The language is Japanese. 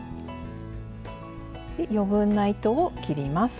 余分な糸を切ります。